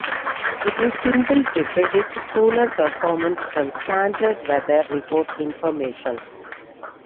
It is simple to predict cooler performance from standard weather report information.